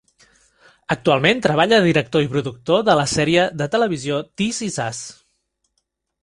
Actualment treballa de director i productor de la sèrie de TV "This Is Us".